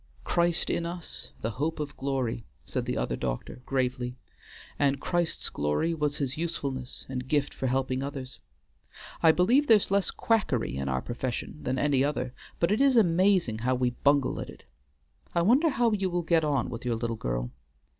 "Christ in us, the hope of glory," said the other doctor gravely, "and Christ's glory was his usefulness and gift for helping others; I believe there's less quackery in our profession than any other, but it is amazing how we bungle at it. I wonder how you will get on with your little girl?